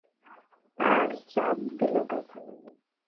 আর চাপ দিলে ব্যথা লাগে।